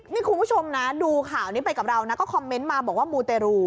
นี่คุณผู้ชมนะดูข่าวนี้ไปกับเรานะก็คอมเมนต์มาบอกว่ามูเตรู